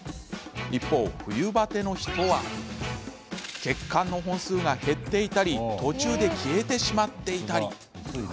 一方、冬バテの人は血管の本数が減っていたり途中で消えてしまっていたり。